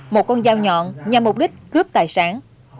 một con dao nhọn nhằm mục đích cướp tài sản